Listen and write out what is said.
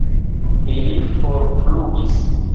Ili forflugis.